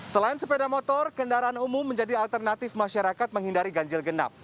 selain sepeda motor kendaraan umum menjadi alternatif masyarakat menghindari ganjil genap